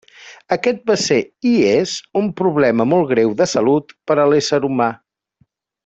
Aquest va ser, i és, un problema molt greu de salut per a l'ésser humà.